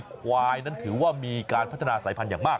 ควายนั้นถือว่ามีการพัฒนาสายพันธุ์อย่างมาก